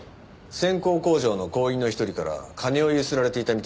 線香工場の工員の一人から金をゆすられていたみたいです。